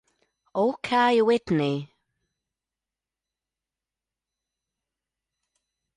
Hawkeye Whitney